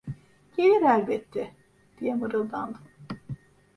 Gelir elbette! diye mırıldandım.